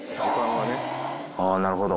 ・あなるほど。